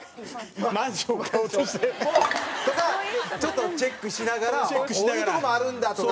マンション買おうとしてる。とかちょっとチェックしながらこういうとこもあるんだ！とか。